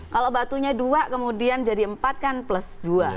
kalau batunya dua kemudian jadi empat kan plus dua